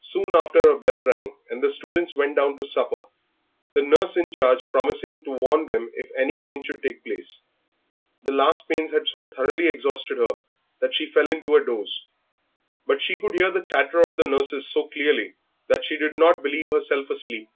Soon after a bell rang, and the students went down to supper, the nurse in charge promising to warn them if any change should take place. The last pains had so thoroughly exhausted her that she had fallen into a doze. But she could hear the chatter of the nurses so clearly that she did not believe herself asleep.